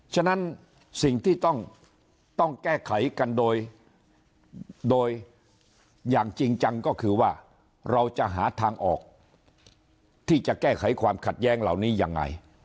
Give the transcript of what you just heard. ฉะนั้นสิ่งที่ต้องแก้ไขกันโดยอย่างจริงจังก็คือว่าเราจะหาทางออกที่จะแก้ไขความขัดแย้งเหล่านี้ยังไง